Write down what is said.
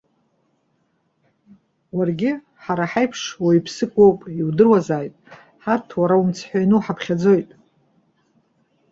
Уаргьы ҳара ҳаиԥш уаҩԥсык уоуп. Иудыруазааит, ҳарҭ, уара умцҳәаҩны уҳаԥхьаӡоит.